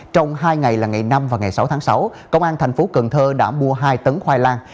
trong hai ngày là ngày năm và ngày sáu tháng sáu công an tp hcm đã mua hai tấn khoai lang